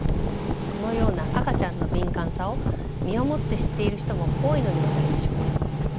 このような赤ちゃんの敏感さを身をもって知っている人も多いのではないでしょうか。